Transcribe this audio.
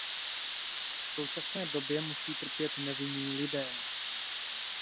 V současné době musí trpět nevinní lidé.